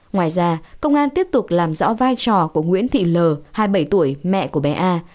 ngoài ra công an tiếp tục làm rõ vai trò của nguyễn thị l hai mươi bảy tuổi mẹ của bé a